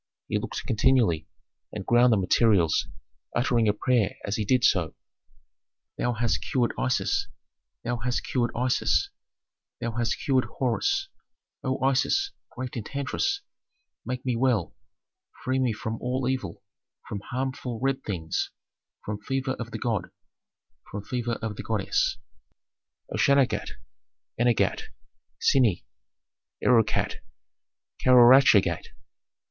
He looked continually, and ground the materials, uttering a prayer as he did so, "Thou hast cured Isis, thou hast cured Isis, thou hast cured Horus O Isis, great enchantress, make me well, free me from all evil, from harmful red things, from fever of the god, from fever of the goddess Authentic. "O Shauagat, eenagate, synie! Erukate! Kauaruchagate!